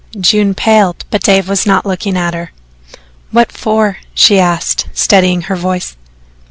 June paled, but Dave was not looking at her. "What for?" she asked, steadying her voice.